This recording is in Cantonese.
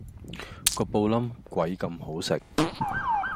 個布冧鬼咁好食